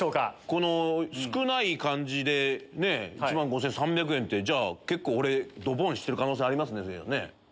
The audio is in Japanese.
この少ない感じで１万５３００円ってじゃあ結構俺ドボンしてる可能性ありますね。